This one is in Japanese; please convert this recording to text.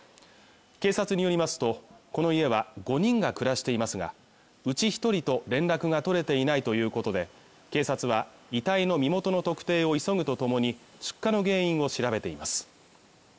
警察によりますとこの家は５人が暮らしていますがうち一人と連絡が取れていないということで警察は遺体の身元の特定を急ぐとともに出火の原因を調べています